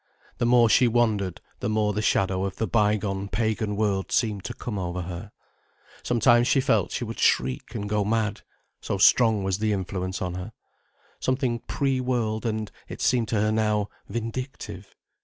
The more she wandered, the more the shadow of the by gone pagan world seemed to come over her. Sometimes she felt she would shriek and go mad, so strong was the influence on her, something pre world and, it seemed to her now, vindictive.